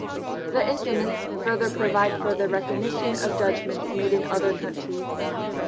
The instruments further provide for the recognition of judgments made in other countries.